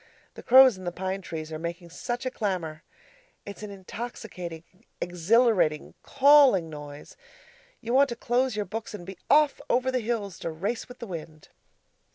The crows in the pine trees are making such a clamour! It's an intoxicating, exhilarating, CALLING noise. You want to close your books and be off over the hills to race with the wind.